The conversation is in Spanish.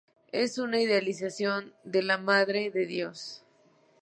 Es una idealización de la Madre de Dios.